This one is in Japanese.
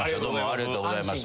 ありがとうございます。